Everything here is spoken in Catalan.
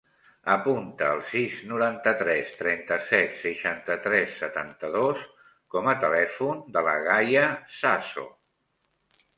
Apunta el sis, noranta-tres, trenta-set, seixanta-tres, setanta-dos com a telèfon de la Gaia Zazo.